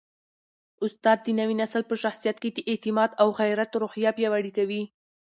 استاد د نوي نسل په شخصیت کي د اعتماد او غیرت روحیه پیاوړې کوي.